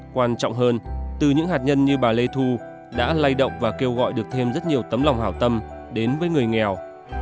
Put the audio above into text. quan trọng hơn từ những hạt nhân như bà lê thu đã lay động và kêu gọi được thêm rất nhiều tấm lòng hảo tâm đến với người nghèo